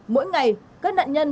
mỗi ngày các nạn nhân